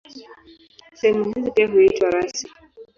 Sehemu hizi pia huitwa rasi.